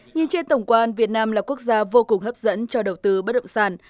nhìn trên tổng quan việt nam là quốc gia vô cùng hấp dẫn cho đầu tư bất động sản